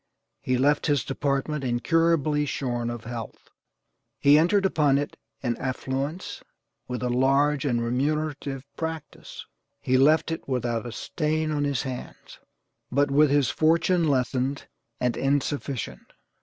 He left his department incurably shorn of health. He entered upon it in affluence, with a large and remunerative practice. He left it without a stain on his hands, but with his fortune lessened and insufficient.